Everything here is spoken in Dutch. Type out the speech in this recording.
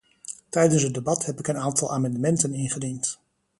Tijdens het debat heb ik een aantal amendementen ingediend.